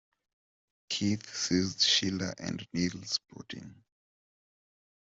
Keith seized Sheila and Neil’s protein.